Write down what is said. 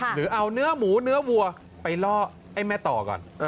หรือเอาเนื้อหมูเนื้อวัวไปล่อไอ้แม่ต่อก่อน